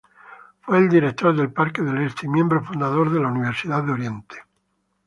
Fue director del Parque del Este y miembro fundador de la Universidad de Oriente.